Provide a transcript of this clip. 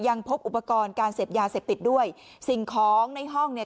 ยังพบอุปกรณ์การเสพยาเสพติดด้วยสิ่งของในห้องเนี่ย